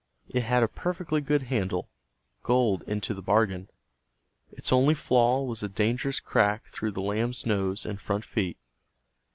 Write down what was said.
It had a perfectly good handle, gold into the bargain. Its only flaw was a dangerous crack through the lamb's nose and front feet.